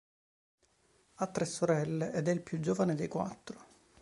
Ha tre sorelle ed è il più giovane dei quattro.